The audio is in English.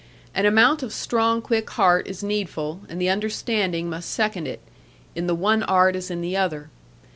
An amount of strong quick heart is needful, and the understanding must second it, in the one art as in the other.